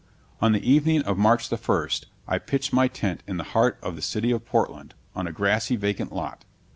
On the evening of March the first I pitched my tent in the heart of the city of Portland, on a grassy vacant lot.